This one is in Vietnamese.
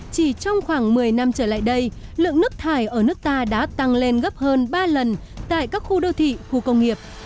chỉ trong khoảng một mươi năm trở lại đây lượng nước thải ở nước ta đã tăng lên gấp hơn ba lần tại các khu đô thị khu công nghiệp